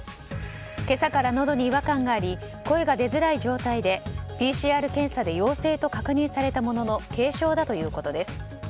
今朝からのどに違和感があり声が出づらい状態でＰＣＲ検査で陽性と確認されたものの軽症だということです。